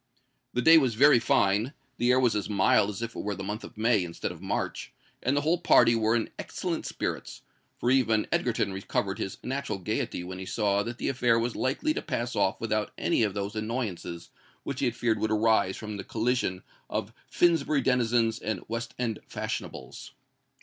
The day was very fine: the air was as mild as if it were the month of May instead of March; and the whole party were in excellent spirits—for even Egerton recovered his natural gaiety when he saw that the affair was likely to pass off without any of those annoyances which he had feared would arise from the collision of Finsbury denizens and West End fashionables.